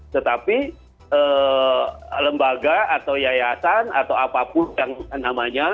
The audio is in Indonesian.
tetapi lembaga atau yayasan atau apapun yang namanya